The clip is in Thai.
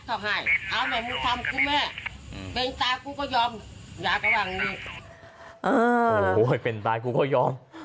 โอ้โฮเป็นตาคุณก็ยอม